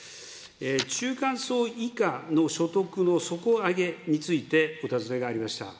中間層以下の所得の底上げについて、お尋ねがありました。